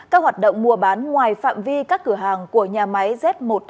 các hoạt động mua bán ngoài phạm vi các cửa hàng của nhà máy z một trăm hai mươi